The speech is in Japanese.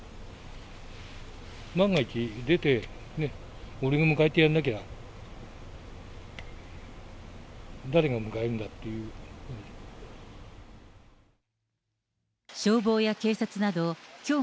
万が一、出てね、俺が迎えてやんなきゃ、誰が迎えるんだっていう。